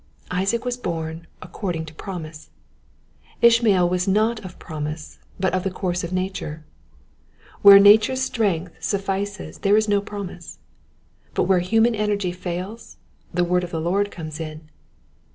Isaac was born according to promise, Ish mael was not of promise, but of the course of na ture. Where nature's strength suffices there is no promise ; but when human energy fails, the word of the Lord comes in.